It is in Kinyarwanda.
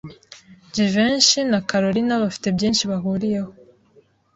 Jivency na Kalorina bafite byinshi bahuriyeho.